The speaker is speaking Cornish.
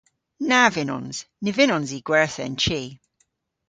Na vynnons. Ny vynnons i gwertha an chi.